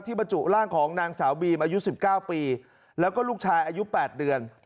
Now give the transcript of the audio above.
ที่ประจุร่างของนางสาวบีมอายุสิบเก้าปีแล้วก็ลูกชายอายุแปดเดือน